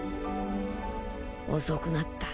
遅くなった。